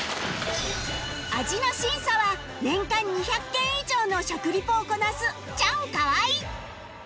味の審査は年間２００軒以上の食リポをこなすチャンカワイ